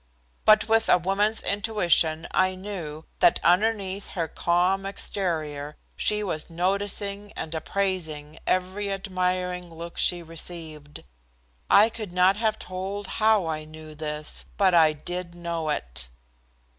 But with a woman's intuition I knew that underneath her calm exterior she was noticing and appraising every admiring look she received. I could not have told how I knew this, but I did know it.